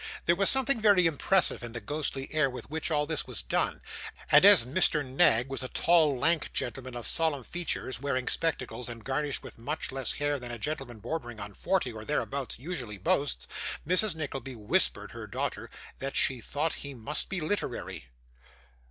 There was something very impressive in the ghostly air with which all this was done; and as Mr. Knag was a tall lank gentleman of solemn features, wearing spectacles, and garnished with much less hair than a gentleman bordering on forty, or thereabouts, usually boasts, Mrs Nickleby whispered her daughter that she thought he must be literary.